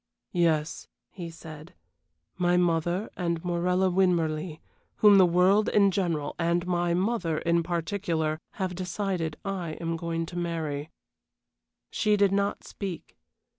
"Yes," he said, "my mother and Morella Winmarleigh, whom the world in general and my mother in particular have decided I am going to marry." She did not speak.